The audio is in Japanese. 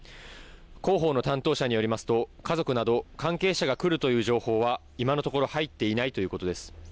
広報の担当者によりますと家族など関係者が来るという情報は今のところ、入っていないということです。